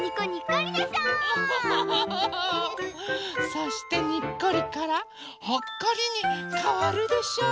そしてにっこりからほっこりにかわるでしょう！